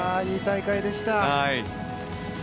いい大会でした。